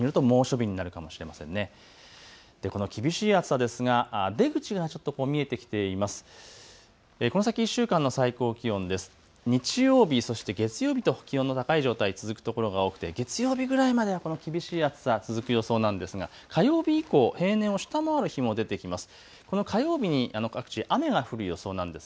日曜日そして月曜日と気温の高い状態、続く所が多くて月曜日ぐらいまではこの厳しい暑さ、続く予想なんですが、火曜日以降、平年を下回る日も出てきます。